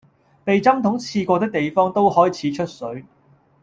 被針筒刺過的地方都開始出水